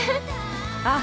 ああ。